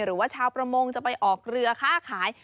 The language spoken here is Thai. หรือว่าชาวประมงจะไปออกเรือค่าขาย